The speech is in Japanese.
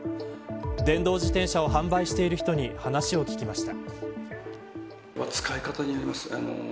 電動自転車を販売している人に話を聞きました。